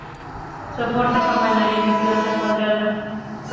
Soporta el campanario de planta cuadrada.